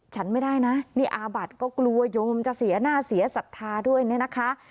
ฉันไม่ได้นะนี่อาบัติก็กลัวโยมจะเสียหน้าเสียศรัทธาด้วยเนี่ยนะคะ